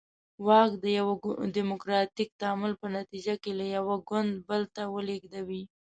واک د یوه ډیموکراتیک تعامل په نتیجه کې له یو ګوند بل ته ولېږدوي.